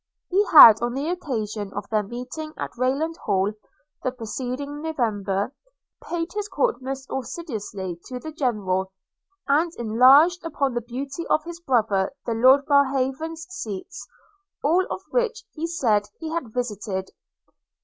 He had on the occasion of their meeting at Rayland Hall the preceding November, paid his court most assiduously to the General; and enlarged upon the beauty of his brother the Lord Barhaven's seats; all of which, he said, he had visited.